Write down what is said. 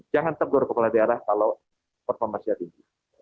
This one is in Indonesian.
jangan tegur kepala daerah kalau performasinya tinggi